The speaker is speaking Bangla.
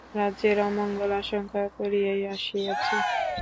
রাজ্যের অমঙ্গল আশঙ্কা করিয়াই আসিয়াছি।